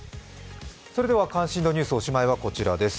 それでは関心度ニュースおしまいはこちらです